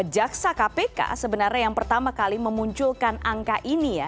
jaksa kpk sebenarnya yang pertama kali memunculkan angka ini ya